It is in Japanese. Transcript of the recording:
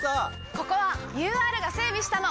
ここはＵＲが整備したの！